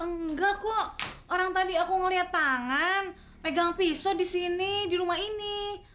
enggak kok orang tadi aku ngeliat tangan pegang pisau di sini di rumah ini